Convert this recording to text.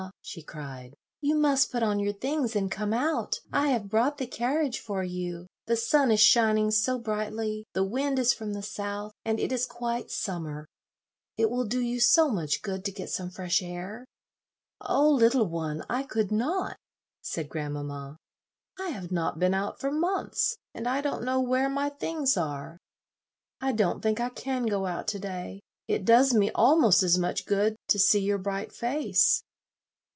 she cried, "you must put on your things and come out. I have brought the carriage for you; the sun is shining so brightly; the wind is from the south, and it is quite summer. It will do you so much good to get some fresh air." "Oh, little one, I could not," said grandmamma; "I have not been out for months, and I don't know where my things are. I don't think I can go out to day. It does me almost as much good to see your bright face."